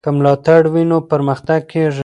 که ملاتړ وي نو پرمختګ کېږي.